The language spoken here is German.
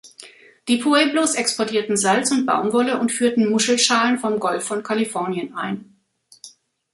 Die Pueblos exportierten Salz und Baumwolle und führten Muschelschalen vom Golf von Californien ein.